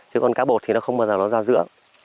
chứ con cá bột thì nó không bao giờ ra giữa